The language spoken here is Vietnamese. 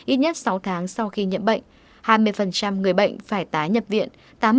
ít nhất sáu tháng sau khi nhiễm bệnh hai mươi người bệnh phải tái nhập viện